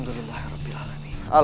dengarkan kalian semua